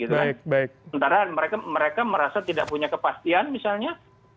sementara mereka merasa tidak punya kepastian misalnya